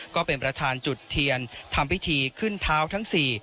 ก็เป็นประธานจุดเทียนทำพิธีขึ้นเท้าทั้งสี่